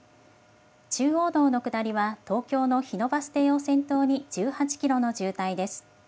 中央道の下りは東京の日野バス停を先頭に１８キロの渋滞です。